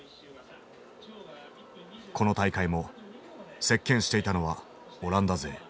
この大会も席けんしていたのはオランダ勢。